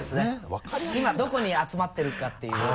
今どこに集まってるかっていう。